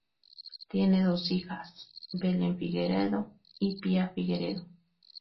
Tiene dos hijas, Belen Figueredo y Pia Figueredo.